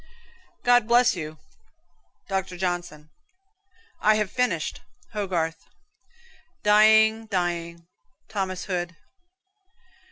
"God bless you." Dr. Johnson. "I have finished." Hogarth. "Dying, dying." Thos. Hood.